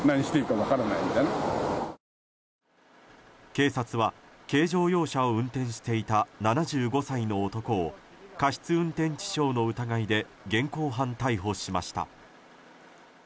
警察は軽乗用車を運転していた７５歳の男を過失運転致傷の疑いで現行犯逮捕しました。